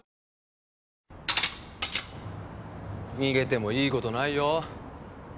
逃げてもいいことないよ